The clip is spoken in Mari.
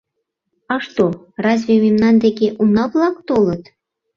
— А что, разве мемнан деке уна-влак толыт?